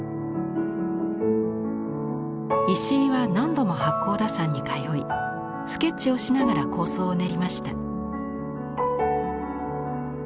石井は何度も八甲田山に通いスケッチをしながら構想を練りました。